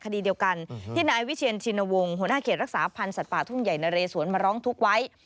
คดีเดียวกันที่นายวิเชียนชินวงศ์หัวหน้าเขตรักษาพันธ์สัตว์ป่าทุ่งใหญ่นะเรสวนมาร้องทุกข์ไว้